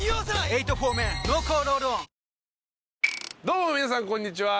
どうも皆さんこんにちは。